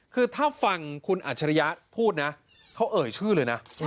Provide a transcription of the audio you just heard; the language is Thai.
คือถ้าฟังคุณอัจฉริยะพูดนะเขาเอ่ยชื่อเลยนะ